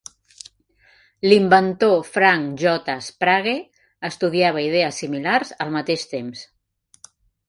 L'inventor Frank J. Sprague estudiava idees similars al mateix temps.